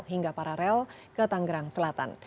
hingga paralel ke tanggerang selatan